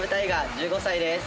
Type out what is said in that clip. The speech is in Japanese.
１５歳です。